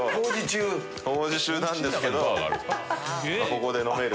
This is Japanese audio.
工事中なんですけどここで飲める。